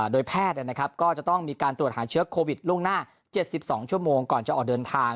โดยแพทย์ก็จะต้องมีการตรวจหาเชื้อโควิดล่วงหน้า๗๒ชั่วโมงก่อนจะออกเดินทาง